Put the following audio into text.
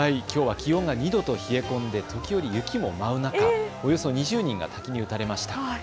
きょうは気温が２度と冷え込んで時折、雪も舞う中、およそ２０人が滝に打たれました。